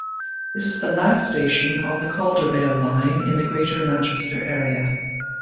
This is the last station on the Caldervale Line in the Greater Manchester area.